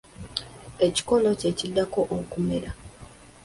Ekikolo kye kiddako okumera.